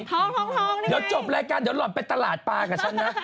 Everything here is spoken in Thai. ท้องเดี๋ยวจบรายการเดี๋ยวหล่อนไปตลาดปลากับฉันนะ